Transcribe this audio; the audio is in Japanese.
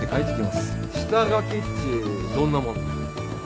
下書きっちどんなもんな？